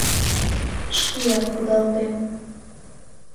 Шкеак кудалтем.